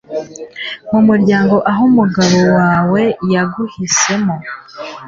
Numuryango aho umugabo wawe yaguhisemo